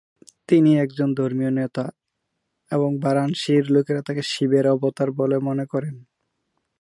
তিনি একজন ধর্মীয় নেতা এবং বারাণসীর লোকেরা তাঁকে শিবের অবতার বলে মনে করেন।